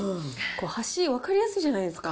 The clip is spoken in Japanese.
端、分かりやすいじゃないですか。